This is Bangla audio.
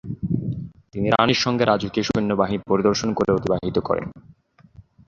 তিনি রানীর সঙ্গে রাজকীয় সৈন্যবাহিনী পরিদর্শন করে অতিবাহিত করেন।